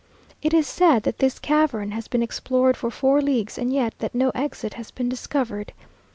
It is said that this cavern has been explored for four leagues, and yet that no exit has been discovered.